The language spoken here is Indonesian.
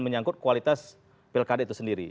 menyangkut kualitas pilkada itu sendiri